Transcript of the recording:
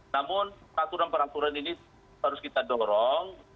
namun peraturan peraturan ini harus kita dorong